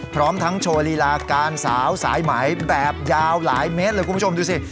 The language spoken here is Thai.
พร้อมทั้งโชว์ลีลาการสาวสายไหมแบบยาวหลายเมตรเลยคุณผู้ชมดูสิ